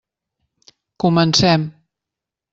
Comencem.